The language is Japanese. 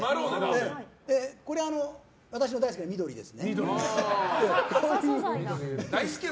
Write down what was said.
これ、私の大好きな緑ですね。